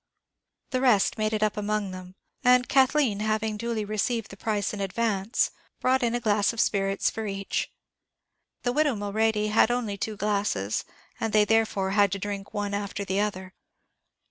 The rest made it up among them; and Kathleen, having duly received the price in advance, brought in a glass of spirits for each. The widow Mulready had only two glasses, and they therefore had to drink one after the other.